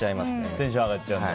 テンション上がっちゃうんだ。